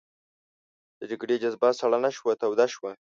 د جګړې جذبه سړه نه شوه توده شوه.